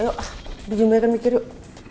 ayo di jempolnya kan mikir yuk